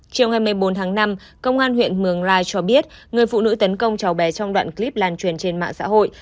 chiều ngày một mươi bốn tháng năm công an huyện mường la cho biết người phụ nữ tấn công cháu bé trong đoạn clip lan truyền trên mạng xã hội